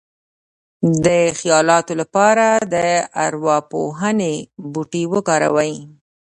د خیالاتو لپاره د ارواپوهنې بوټي وکاروئ